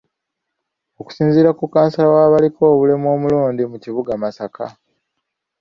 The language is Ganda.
Okusinziira ku kkansala w'abaliko obulemu omulonde mu kibuga Masaka